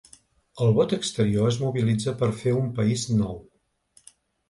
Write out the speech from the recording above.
El vot exterior es mobilitza per fer un país nou.